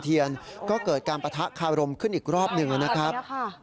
เทียนก็เกิดการปะทะคารมขึ้นอีกรอบหนึ่งนะครับ